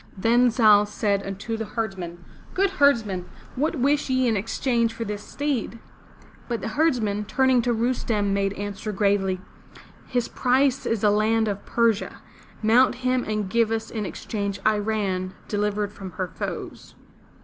Then Zal said unto the herdsmen: Good herdsmen, what wish ye in exchange for this steed?" But the herdsmen, turning to Rustem made answer gravely: "His price is the land of Persia. Mount him and give us in exchange I ran' delivered from her foes!